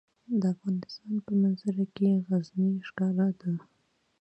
د افغانستان په منظره کې غزني ښکاره ده.